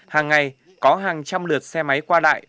hàng ngày có hàng trăm lượt xe máy qua lại